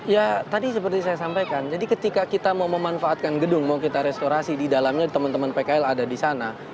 ya tadi seperti saya sampaikan jadi ketika kita mau memanfaatkan gedung mau kita restorasi di dalamnya teman teman pkl ada di sana